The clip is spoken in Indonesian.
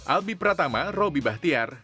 albi pratama robi bahtiar